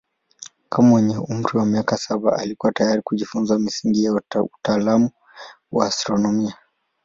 Kama mwenye umri wa miaka saba alikuwa tayari kujifunza misingi ya utaalamu wa astronomia.